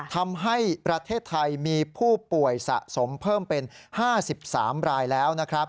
ทำให้ประเทศไทยมีผู้ป่วยสะสมเพิ่มเป็น๕๓รายแล้วนะครับ